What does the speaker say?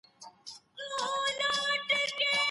يو خو ئې اعتراض وکړ او بل ئې د حرامو د حلالوالي تمنا وکړه.